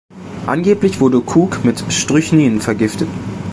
Angeblich wurde Cook mit Strychnin vergiftet.